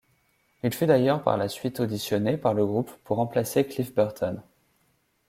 Il fut d'ailleurs par la suite auditionné par le groupe pour remplacer Cliff Burton.